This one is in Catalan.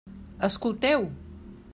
Escolteu!